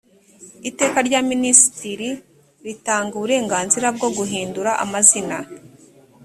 iiteka rya minisitiri ritanga uburenganzira bwo guhindura amazina